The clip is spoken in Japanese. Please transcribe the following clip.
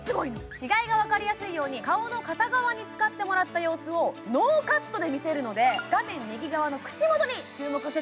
違いが分かりやすいように顔の片側に使ってもらったようすをノーカットで見せるので画面右側の口元に注目してて。